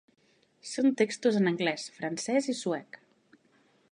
Són textos en anglès, francès i suec.